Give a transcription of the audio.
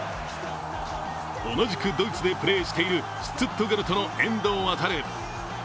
同じくドイツでプレーしているシュツットガルトの遠藤航。